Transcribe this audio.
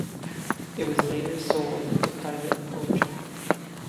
It was later sold into private ownership.